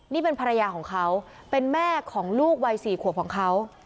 นี่เป็นภรรยาของเขาเป็นแม่ของลูกวัย๔ขวบของเขา